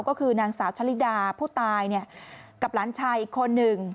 ก็คือนางสาวชะลิดาผู้ตายกับหลานชายอีกคนหนึ่ง